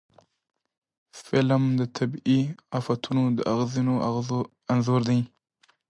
فلم د طبعي آفتونو د اغېزو انځور کوي